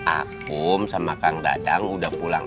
akum sama kang dadang udah pulang